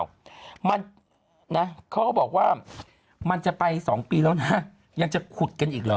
มันก็บอกว่ามันจะไป๒ปีแล้วนะยังจะขุดกันอีกเหรอ